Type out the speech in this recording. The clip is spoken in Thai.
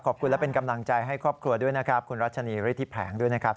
ขอบคุณและเป็นกำลังใจให้ครอบครัวด้วยนะครับคุณรัชนีฤทธิแผงด้วยนะครับ